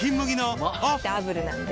うまダブルなんで